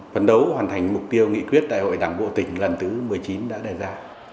phấn đấu hoàn thành mục tiêu nghị quyết đại hội đảng bộ tỉnh lần thứ một mươi chín đã đề ra